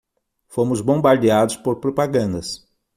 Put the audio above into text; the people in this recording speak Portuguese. Fomos bombardeados por propagandas